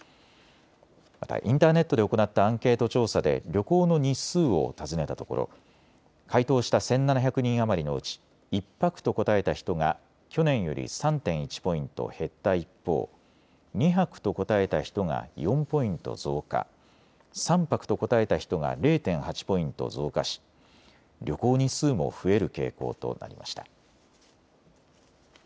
またインターネットで行ったアンケート調査で旅行の日数を尋ねたところ、回答した１７００人余りのうち１泊と答えた人が去年より３．１ポイント減った一方、２泊と答えた人が４ポイント増加、３泊と答えた人が０．８ポイント増加し旅行日数も増える傾向となりました。